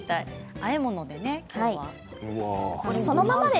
あえ物でね、きょうは。